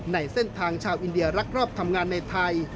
ในเส้นทางชาวอินเดียรักรอบทำงานในไทย